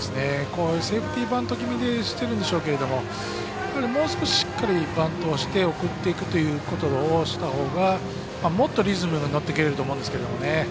セーフティーバント気味にしているんでしょうけどもう少し、しっかりバントをして送っていくということをしたほうがもっとリズムにのっていけると思うんですけどね。